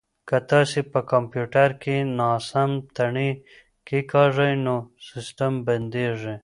که تاسي په کمپیوټر کې ناسم تڼۍ کېکاږئ نو سیسټم بندیږي.